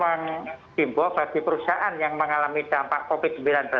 menghimbau bagi perusahaan yang mengalami dampak covid sembilan belas